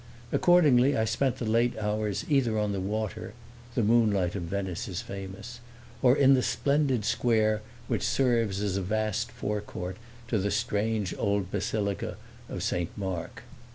Accordingly I spent the late hours either on the water (the moonlight of Venice is famous), or in the splendid square which serves as a vast forecourt to the strange old basilica of Saint Mark.